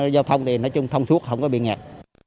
giao thông thì nói chung thông suốt không có bị nghẹt